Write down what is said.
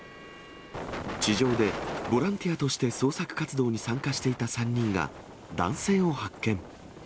地上でボランティアとして捜索活動に参加していた３人が、男性を発見。